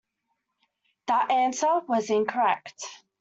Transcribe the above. That answer was incorrect.